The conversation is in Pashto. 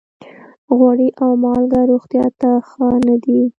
غوړي او مالګه روغتیا ته ښه نه دي.